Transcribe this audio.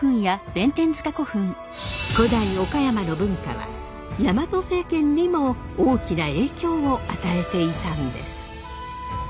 古代岡山の文化はヤマト政権にも大きな影響を与えていたんです。